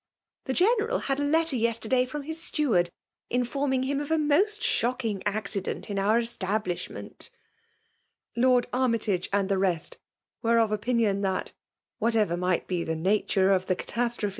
'^ The General had a letter yesterday from his steward, informing him of a most shocking accident in our establishment'* (Lord Armf tage and the test were of opinion that, what* ever might be the nature of thecatastro^o.